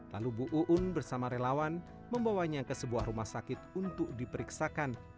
lalu bu uun bersama relawan membawanya ke sebuah rumah sakit untuk diperiksakan